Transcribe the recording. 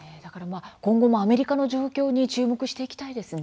今後もアメリカの状況に注目していきたいですね。